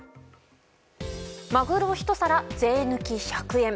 マグロ１皿、税抜き１００円。